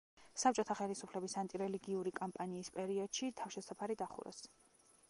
საბჭოთა ხელისუფლების ანტირელიგიური კამპანიის პერიოდში თავშესაფარი დახურეს.